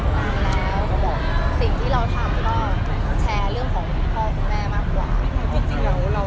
ตามแล้วสิ่งที่เราทำก็แชร์เรื่องของคุณพ่อคุณแม่มากกว่า